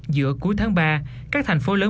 giữa cuối tháng ba các thành phố lớn